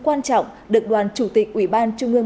quan trọng được đoàn chủ tịch ủy ban trung ương